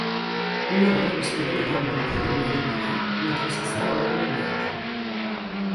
Una dona vestida amb roba blava i vermella brillant mentre s'asseu a l'herba verda.